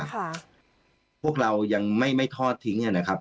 พวกเรายังไม่ไม่ทอดทิ้งนะครับ